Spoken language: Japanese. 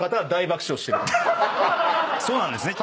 そうなんですね。